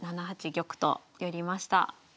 ７八玉と寄りました。